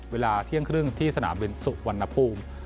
เวลาเที่ยงครึ่งที่สนามบินสุวรรณภูมิ